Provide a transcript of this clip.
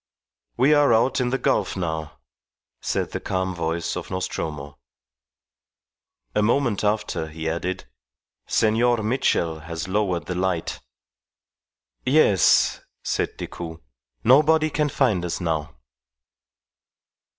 "We are out in the gulf now," said the calm voice of Nostromo. A moment after he added, "Senor Mitchell has lowered the light." "Yes," said Decoud; "nobody can find us now."